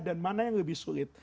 dan mana yang lebih sulit